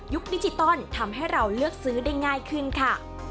ดิจิตอลทำให้เราเลือกซื้อได้ง่ายขึ้นค่ะ